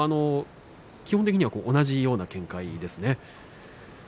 基本的には同じような見解ですね。